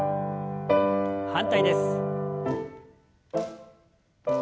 反対です。